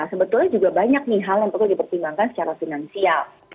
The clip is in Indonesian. sebetulnya juga banyak nih hal yang perlu dipertimbangkan secara finansial